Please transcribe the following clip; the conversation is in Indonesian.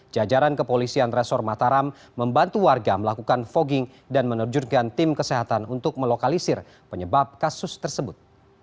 jajaran kepolisian resor mataram membantu warga melakukan fogging dan menerjunkan tim kesehatan untuk melokalisir penyebab kasus tersebut